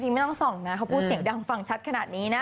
ไม่ต้องส่องนะเขาพูดเสียงดังฟังชัดขนาดนี้นะ